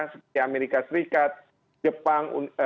seperti amerika serikat jepang